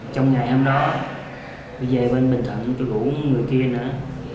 trong ngày hôm đó tôi về bên bình thận tôi gũi một người kia nữa